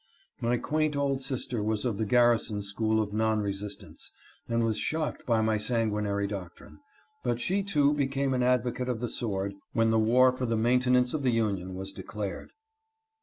My quaint old sister was of the Garrison school of non resistants, and was shocked at my sanguinary doctrine, but she too UNION OF ANTI SLAVERY FORCES. 343 became an advocate of the sword, when the war for the maintenance of the Union was declared.